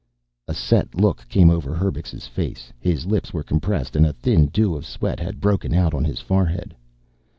A set look came over Herbux's face. His lips were compressed and a thin dew of sweat had broken out on his forehead.